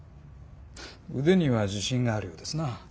腕には自信があるようですな。